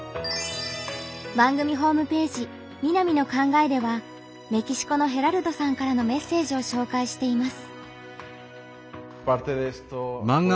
番組ホームページ「みなみの考え」ではメキシコのヘラルドさんからのメッセージを紹介しています。